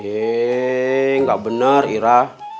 eh nggak benar ira